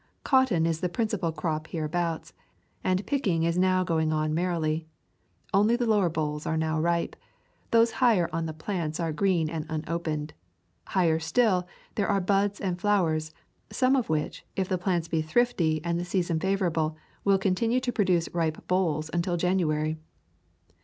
Cotton is the principal crop hereabouts, and picking is now going on merrily. Only the lower bolls are now ripe. Those higher on the plants are green and unopened. Higher still, there are buds and flowers, some of which, if the plants be thrifty and the season favorable, will con tinue to produce ripe bolls until January.